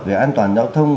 về an toàn giao thông